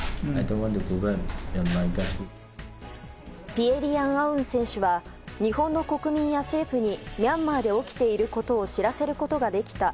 ピエ・リヤン・アウン選手は日本の国民や政府にミャンマーで起きていることを知らせることができた。